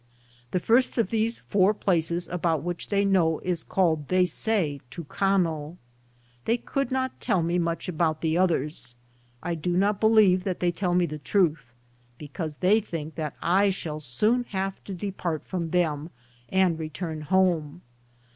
The first of these four places about which they know is called, they say, Tucano. They could not tell me much about the others. I do not believe that they tell me the truth, because they think that I shall soon have to depart from them and re turn home.